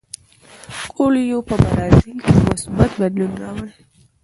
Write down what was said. کویلیو په برازیل کې مثبت بدلون راولي.